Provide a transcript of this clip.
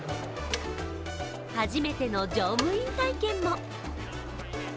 初めての乗務員体験も。